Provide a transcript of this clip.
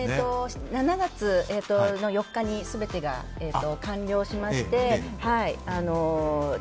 ７月４日に全てが完了しまして。